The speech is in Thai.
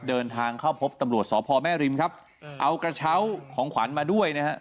เดินทางเข้าพบตำรวจสพแม่ริมครับเอากระเช้าของขวัญมาด้วยนะฮะ